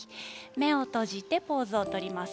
目を閉じてポーズを取ります。